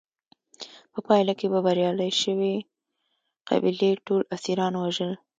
په پایله کې به بریالۍ شوې قبیلې ټول اسیران وژل.